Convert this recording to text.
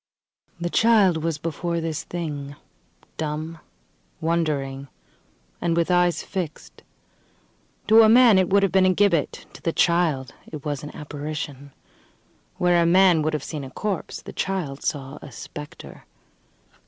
The child was before this thing, dumb, wondering, and with eyes fixed. To a man it would have been a gibbet; to the child it was an apparition. Where a man would have seen a corpse the child saw a spectre.